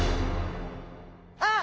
あっ！